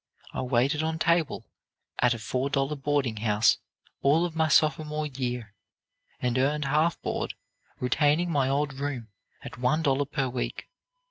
I waited on table at a $4 boarding house all of my sophomore year, and earned half board, retaining my old room at $1 per week.